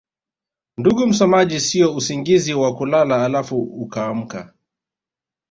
ndugu msomaji siyo usingizi wa kulala alafu ukaamka